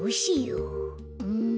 うん。